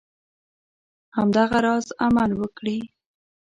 همدغه راز عمل وکړي.